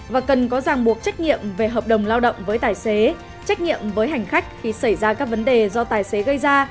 và cần có ràng buộc trách nhiệm về hợp đồng lao động với tài xế trách nhiệm với hành khách khi xảy ra các vấn đề do tài xế gây ra